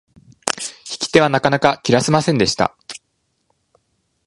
引き手はなかなか切らせませんでした。